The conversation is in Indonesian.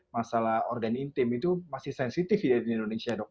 masalah organ intim itu masih sensitif ya di indonesia dok